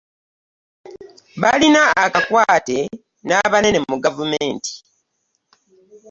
Balina akakwate n'abanene mu gavumenti